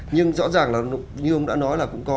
nhưng rõ ràng là như ông đã nói là cũng có